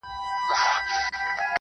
پر اوږو د وارثانو جنازه به دي زنګیږي-